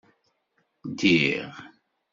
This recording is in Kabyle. Ddiɣ